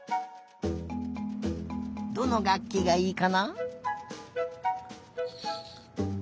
どのがっきがいいかな。